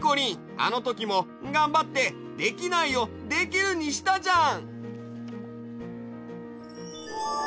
あのときもがんばって「できない」を「できる」にしたじゃん！